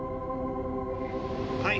はい。